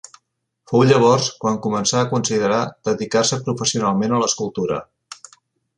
Fou llavors quan començà a considerar dedicar-se professionalment a l'escultura.